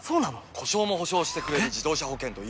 故障も補償してくれる自動車保険といえば？